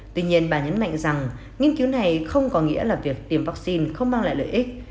tuy nhiên bà nhấn mạnh rằng nghiên cứu này không có nghĩa là việc tiêm vaccine không mang lại lợi ích